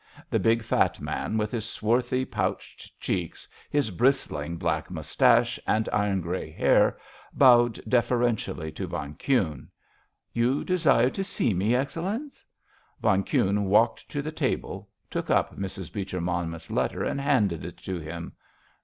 The big, fat man, with his swarthy, pouched cheeks, his bristling black moustache and iron grey hair, bowed deferentially to von Kuhne. "You desired to see me, Excellenz?" Von Kuhne walked to the table, took up Mrs. Beecher Monmouth's letter, and handed it to him.